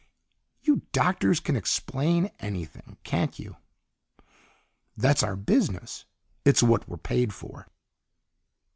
"You doctors can explain anything, can't you?" "That's our business. It's what we're paid for."